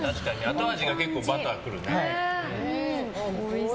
後味が結構バターくるね。